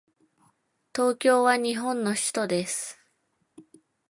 東京は日本の首都です。